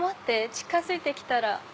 近づいてきたら。